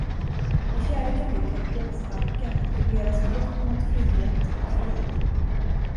I fjärde kapitlet brottsbalken regleras brott mot frihet och frid.